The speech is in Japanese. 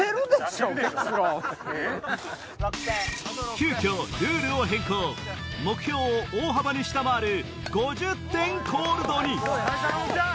急きょルールを変更目標を大幅に下回る５０点コールドに坂本ちゃん！